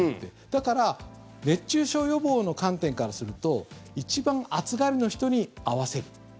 だから熱中症予防の観点からすると一番暑がりの人に合わせる。